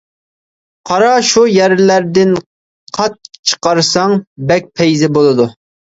قارا، شۇ يەرلەردىن قات چىقارساڭ، بەك پەيزى بولىدۇ!